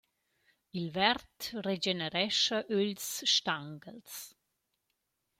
Il verd regenerescha ögls stanguels.